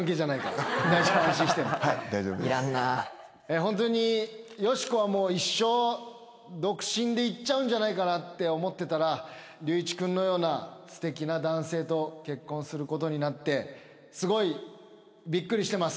ホントによし子はもう一生独身でいっちゃうんじゃないかなって思ってたら隆一君のようなすてきな男性と結婚することになってすごいびっくりしてます。